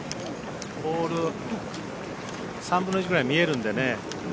ボール３分の１ぐらい見えるんでね。